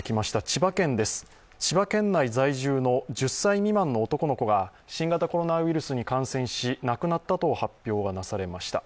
千葉県内在住の１０歳未満の男の子が、新型コロナウイルスに感染し亡くなったと発表がなされました。